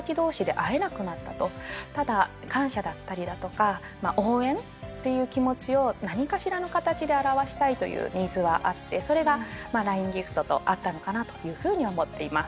ただ感謝だったりだとか応援っていう気持ちを何かしらの形で表したいというニーズはあってそれが「ＬＩＮＥギフト」と合ったのかなというふうに思っています。